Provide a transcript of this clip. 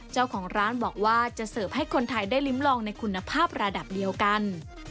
เจ้าของร้านบอกว่าจะเสิร์ฟให้คนไทยได้ลิ้มลองในคุณภาพระดับเดียวกัน